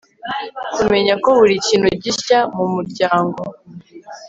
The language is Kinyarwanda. kumenya ko buri kintu gishya mu muryango